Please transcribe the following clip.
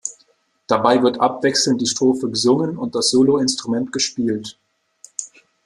Dabei wird abwechselnd die Strophe gesungen und das Soloinstrument gespielt.